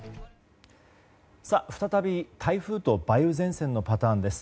再び台風と梅雨前線のパターンです。